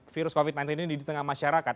virus covid sembilan belas ini di tengah masyarakat